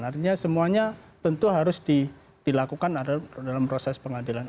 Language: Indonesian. artinya semuanya tentu harus dilakukan dalam proses pengadilan